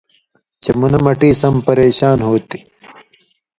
چے منہ مٹی سم پریشان ہو تھی